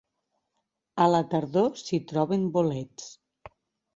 A la tardor s'hi troben bolets.